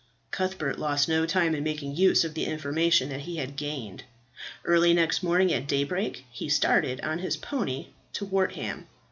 Cuthbert lost no time in making use of the information that he had gained. Early next morning, at daybreak, he started on his pony to Wortham.